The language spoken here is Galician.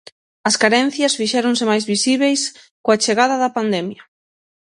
As carencias fixéronse máis visíbeis coa chegada da pandemia.